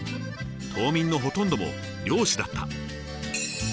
島民のほとんども漁師だった。